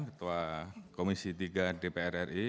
ketua komisi tiga dpr ri